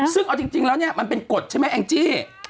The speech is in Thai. ซึ่งเอาจริงแล้วเนี่ยมันเป็นกฎใช่ไหมแองจี้